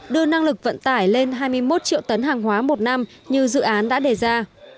đưa năng lực vận tải lên hai mươi một triệu tấn hàng hóa một năm như dự án đã đề ra